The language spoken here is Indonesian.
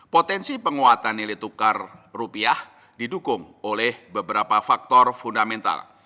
potensi penguatan nilai tukar rupiah didukung oleh beberapa faktor fundamental